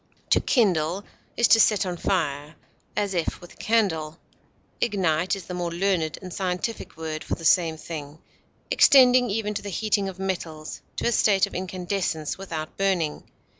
To kindle is to set on fire, as if with a candle; ignite is the more learned and scientific word for the same thing, extending even to the heating of metals to a state of incandescence without burning.